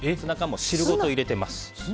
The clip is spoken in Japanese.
汁ごと入れています。